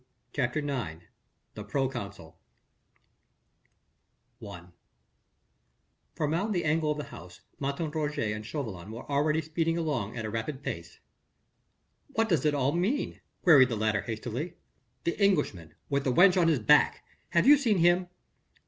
CHAPTER IX THE PROCONSUL I From round the angle of the house Martin Roget and Chauvelin were already speeding along at a rapid pace. "What does it all mean?" queried the latter hastily. "The Englishman with the wench on his back? have you seen him?"